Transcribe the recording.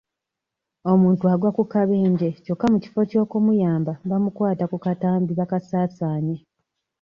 Omuntu agwa ku kabenje kyokka mu kifo ky'omuyamba bamukwata ku katambi bakasaasaanye.